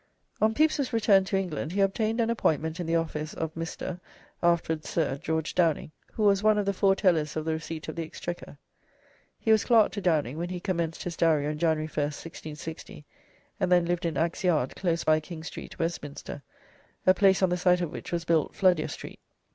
On Pepys's return to England he obtained an appointment in the office of Mr., afterwards Sir George Downing, who was one of the Four Tellers of the Receipt of the Exchequer. He was clerk to Downing when he commenced his diary on January 1st, 1660, and then lived in Axe Yard, close by King Street, Westminster, a place on the site of which was built Fludyer Street.